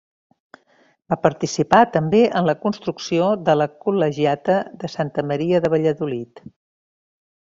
Va participar també en la construcció de la Col·legiata de Santa Maria de Valladolid.